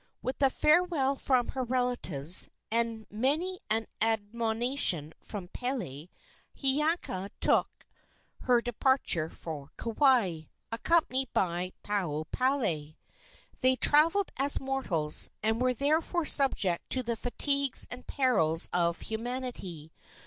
With a farewell from her relatives and many an admonition from Pele, Hiiaka took her departure for Kauai, accompanied by Pauo palae. They traveled as mortals, and were therefore subject to the fatigues and perils of humanity.